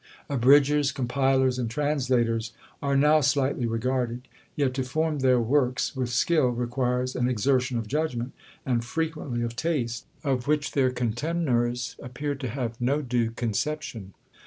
Abridgers, Compilers, and Translators, are now slightly regarded; yet to form their works with skill requires an exertion of judgment, and frequently of taste, of which their contemners appear to have no due conception.